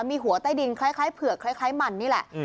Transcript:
มีหัวใต้ดินคล้ายเผือกคล้ายมันนี่แหละ